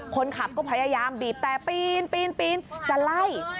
คนขับก็พยายามบีบแต่ปีนปีนจะไล่